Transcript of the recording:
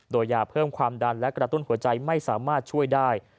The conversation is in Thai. โดยยาเพิ่มความดันและกระตุ้นหัวใจไม่สามารถช่วยได้